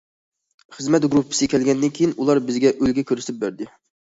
خىزمەت گۇرۇپپىسى كەلگەندىن كېيىن، ئۇلار بىزگە ئۈلگە كۆرسىتىپ بەردى.